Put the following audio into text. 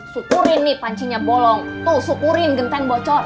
syukurin nih pancinya bolong tuh syukurin genteng bocor